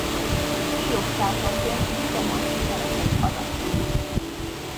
Illusztrátorként is komoly sikereket aratott.